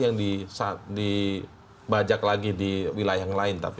yang dibajak lagi di wilayah yang lain